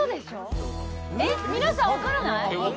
え、皆さん分からない？